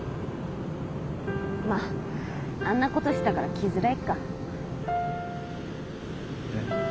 まっあんなことしたから来づらいか。